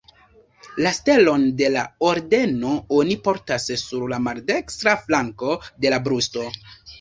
La stelon de la Ordeno oni portas sur la maldekstra flanko de la brusto.